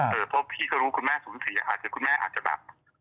เพราะพี่ก็รู้คุณแม่สูญเสียอาจจะคุณแม่อาจจะแบบ